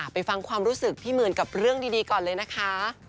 ไปฟังความรู้สึกพี่หมื่นกับเรื่องดีก่อนเลยนะคะ